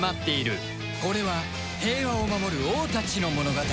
これは平和を守る王たちの物語